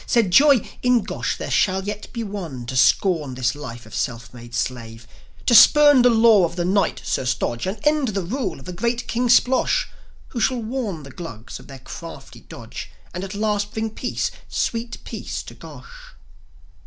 Said Joi: "In Gosh there shall yet be one To scorn this life of a self made slave; To spurn the law of the Knight, Sir Stodge, And end the rule of the great King Splosh; Who shall warn the Glugs of their crafty dodge, And at last bring peace, sweet peace, to Gosh."